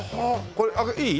これいい？